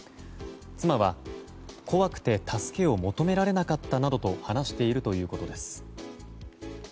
妻は、怖くて助けを求められなかったなどと話しているということです。